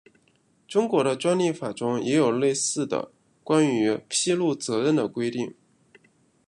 中国的专利法中也有类似的关于披露责任的规定。